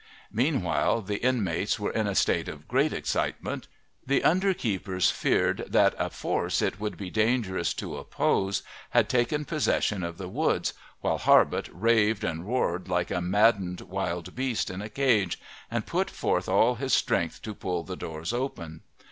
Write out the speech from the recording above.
Meanwhile the inmates were in a state of great excitement; the under keepers feared that a force it would be dangerous to oppose had taken possession of the woods, while Harbutt raved and roared like a maddened wild beast in a cage, and put forth all his strength to pull the doors open.